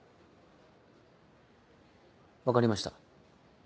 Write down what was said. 分かりました。